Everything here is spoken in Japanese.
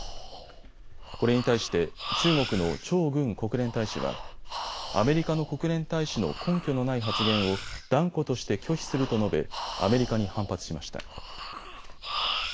これに対して中国の張軍国連大使は、アメリカの国連大使の根拠のない発言を断固として拒否すると述べ、アメリカに反発しました。